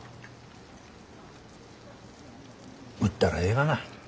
売ったらええがな。